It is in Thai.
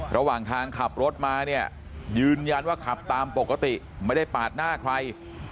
ระหว่างทางขับรถมาเนี่ยยืนยันว่าขับตามปกติไม่ได้ปาดหน้าใคร